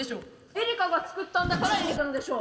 エリカが作ったんだからエリカのでしょ。